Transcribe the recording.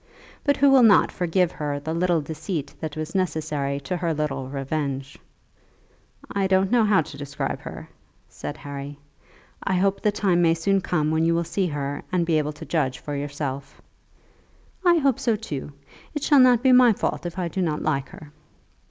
But who will not forgive her the little deceit that was necessary to her little revenge? "I don't know how to describe her," said Harry. "I hope the time may soon come when you will see her, and be able to judge for yourself." "I hope so too. It shall not be my fault if I do not like her."